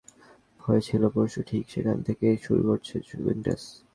আগের লেগটা যেখান থেকে শেষ হয়েছিল, পরশু ঠিক সেখান থেকেই শুরু করেছে জুভেন্টাস।